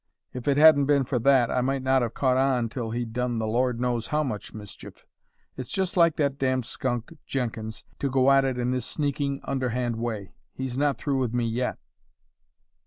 If it hadn't been for that I might not have caught on till he'd done the Lord knows how much mischief. It's just like that damned skunk, Jenkins, to go at it in this sneaking, underhand way. He's not through with me yet!"